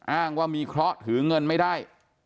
อ้างว่ามีเคราะห์ถือเงินไม่ได้